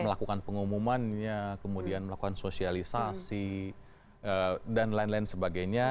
melakukan pengumumannya kemudian melakukan sosialisasi dan lain lain sebagainya